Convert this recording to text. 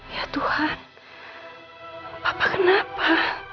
ya tuhan papa kenapa